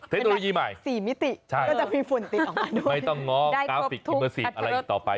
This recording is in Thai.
เทคโนโลยีใหม่ใช่ไม่ต้องง้อกราฟิกอิมเมอสิกอะไรอีกต่อไป